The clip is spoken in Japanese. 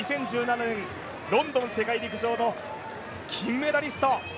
２０１７年ロンドン世界陸上の金メダリスト。